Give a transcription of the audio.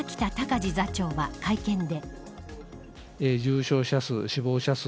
字座長は会見で。